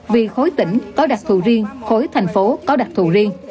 vì khối tỉnh có đạt thù riêng khối thành phố có đạt thù